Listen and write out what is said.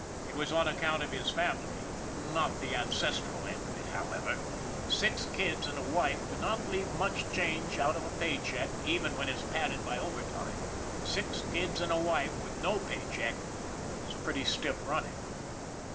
It was on account of his family not the ancestral end of it, however. Six kids THE BLOOD OF KINGS 193 and a wife do not leave much change out of a pay check even when it's padded by overtime ; six kids and a wife with no pay check is pretty stiff running.